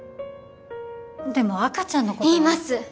でも赤ちゃんのことは言います